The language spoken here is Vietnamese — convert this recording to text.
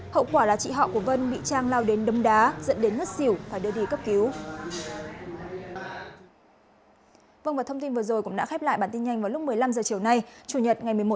hậu quả là chị họ của vân bị trang lao đến đấm đá dẫn đến ngất xỉu phải đưa đi cấp cứu